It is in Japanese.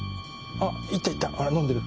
あっ飲んでる？